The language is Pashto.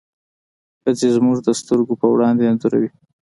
هڅې زموږ د سترګو په وړاندې انځوروي.